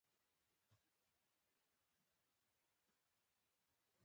چې موږ اتيا نوي کسه طلباو به په يو وار اودسونه پکښې کول.